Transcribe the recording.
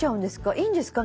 いいんですか？